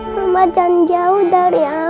mama jangan jauh dari aku ya